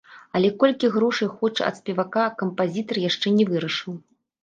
Але колькі грошай хоча ад спевака, кампазітар яшчэ не вырашыў.